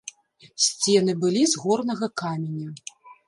Сцены былі з горнага каменя.